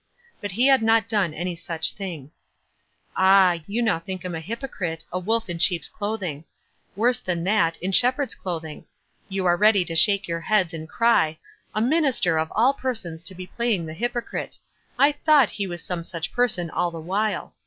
But ho had not done any such thing. Ah ! now you think him a hypocrite, a wolf in sheep's clothing — worse than that, in shep herd's clothing. You are ready to shake your heads and cry, "A minister of all persons to be playing the hypocrite. I thought he was some such person all the while."